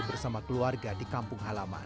bersama keluarga di kampung halaman